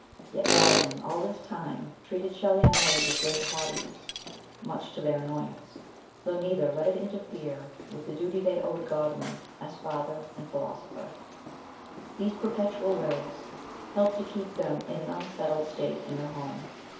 Yet Godwin all this time treated Shelley and Mary with great haughtiness, much to their annoyance, though neither let it interfere with the duty they owed Godwin as father and philosopher. These perpetual worries helped to keep them in an unsettled state in their home.